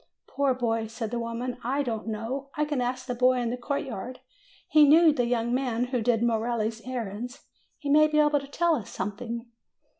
"Poor boy!" said the woman; "I don't know. I can ask the boy in the courtyard. He knew the young man who did Merelli's errands'. He may be able to tell us something."